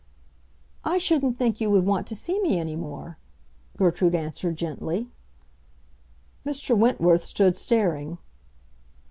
"I shouldn't think you would want to see me any more," Gertrude answered, gently. Mr. Wentworth stood staring.